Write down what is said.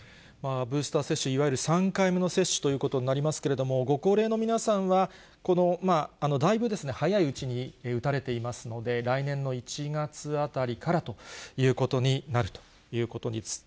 ブースター接種、いわゆる３回目の接種ということになりますけれども、ご高齢の皆さんは、だいぶ早いうちに打たれていますので、来年の１月あたりからということになるということです。